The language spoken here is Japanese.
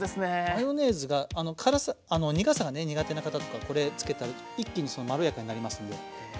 マヨネーズがあの苦さがね苦手な方とかこれつけたら一気にそのまろやかになりますんで。